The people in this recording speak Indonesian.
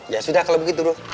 ya sudah kalau begitu ruh